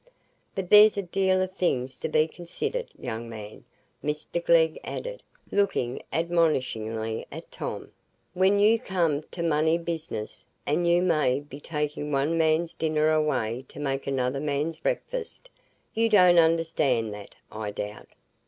But there's a deal o' things to be considered, young man," Mr Glegg added, looking admonishingly at Tom, "when you come to money business, and you may be taking one man's dinner away to make another man's breakfast. You don't understand that, I doubt?"